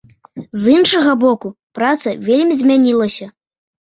З іншага боку, праца вельмі змянілася.